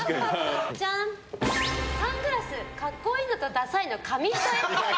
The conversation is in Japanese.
サングラス、格好いいのとダサいの紙一重っぽい。